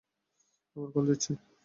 আবার কল দিচ্ছে।